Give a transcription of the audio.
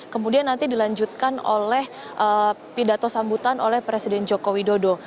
kemudian nanti dilanjutkan oleh pidato sambutan oleh presiden joko widodo